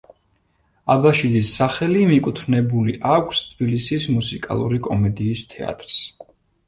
აბაშიძის სახელი მიკუთვნებული აქვს თბილისის მუსიკალური კომედიის თეატრს.